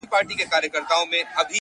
ما چي د ميني په شال ووهي ويده سمه زه؛